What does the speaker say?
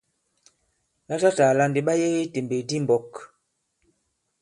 Latatàla ndi ɓa yege i tèmbèk di i mɓɔ̄k.